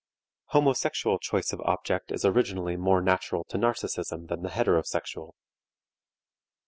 Homosexual choice of object is originally more natural to narcism than the heterosexual.